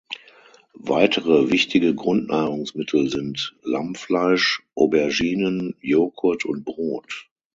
Weitere wichtige Grundnahrungsmittel sind Lammfleisch, Auberginen, Joghurt und Brot.